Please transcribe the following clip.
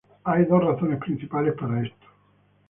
Hay dos razones principales para esto.